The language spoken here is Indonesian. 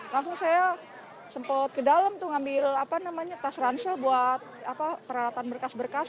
langsung saya sempat ke dalam tuh ngambil tas ransel buat peralatan berkas berkas